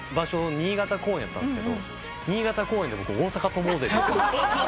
新潟公演やったんすけど新潟公演で僕「大阪跳ぼうぜ」って。